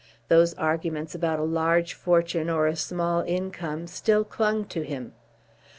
Those arguments about a large fortune or a small income still clung to him.